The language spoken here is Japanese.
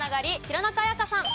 弘中綾香さん。